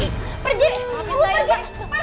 itu bahan untuk pakep